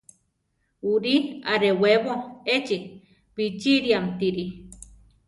Uri; arewebo echi bichíriamtiri.